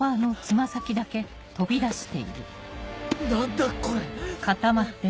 何だこれ。